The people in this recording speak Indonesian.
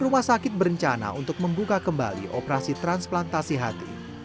rumah sakit berencana untuk membuka kembali operasi transplantasi hati